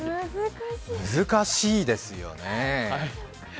難しいですよね。